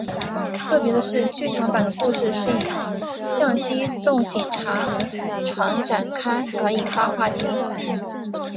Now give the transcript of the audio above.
特别的是剧场版的故事是以像机动警察般展开而引发话题。